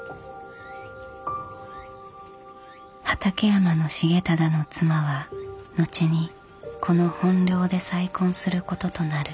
畠山重忠の妻は後にこの本領で再婚することとなる。